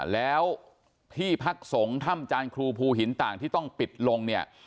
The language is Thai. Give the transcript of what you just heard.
แล้วที่พักสงฆ์ถ้ำจานครูภูหินต่างที่ต้องปิดลงเนี่ย